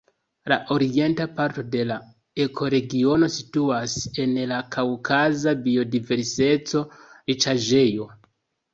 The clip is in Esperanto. La orienta parto de la ekoregiono situas en la kaŭkaza biodiverseco-riĉaĵejo.